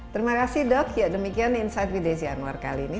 terima kasih dok ya demikian insight video si anwar kali ini